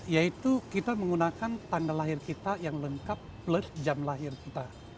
yaitu kita menggunakan tanggal lahir kita yang lengkap plus jam lahir kita